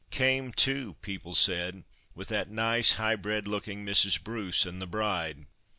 "Came, too" (people said), "with that nice, high bred looking Mrs. Bruce and the bride."